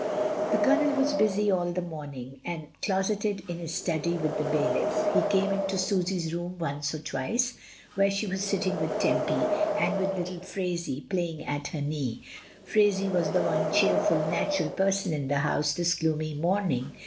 The Colonel was busy all the morning, and closeted in his study with the bailiff. He came into Susy's room once or twice, where she was sitting with Tempy, and with little Phraisie playing at her knee. Phraisie was the one cheerful, natural per son in the house this gloomy morning.